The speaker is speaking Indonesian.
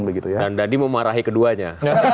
dan tadi memarahi keduanya